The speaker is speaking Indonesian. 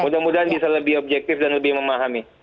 mudah mudahan bisa lebih objektif dan lebih memahami